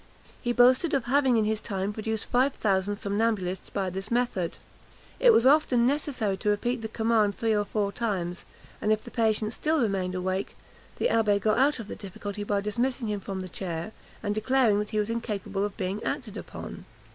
He boasted of having in his time produced five thousand somnambulists by this method. It was often necessary to repeat the command three or four times; and if the patient still remained awake, the abbé got out of the difficulty by dismissing him from the chair, and declaring that he was incapable of being acted on.